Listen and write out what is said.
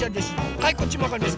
はいこっちまがります。